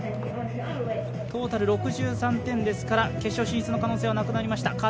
トータル６３点ですから決勝進出の可能性はなくなりました。